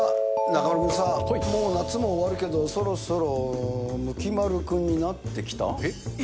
中丸君さ、もう夏も終わるけど、そろそろムキ丸君になってきた？